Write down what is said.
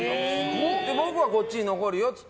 僕はこっちに残るよって。